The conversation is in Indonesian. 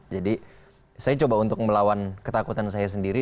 jadi saya coba untuk melawan ketakutan saya sendiri